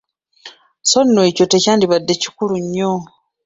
Sso nno ekyo tekyandibadde kikulu nnyo.